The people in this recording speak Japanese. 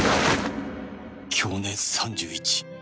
享年３１